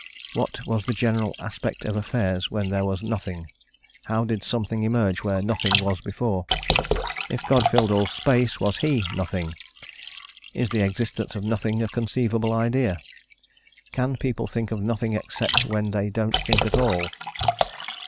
What was the general aspect of affairs when there was "nothing?" how did something emerge where "nothing" was before? if God filled all space, was he "nothing?" is the existence of nothing a conceivable idea? "can people think of nothing except when they don't think at all?"